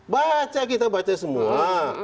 baca kita baca semua